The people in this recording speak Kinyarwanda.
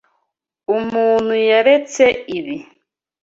Umuntu yaretse ibi.